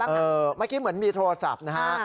เมื่อกี้เหมือนมีโทรศัพท์นะฮะ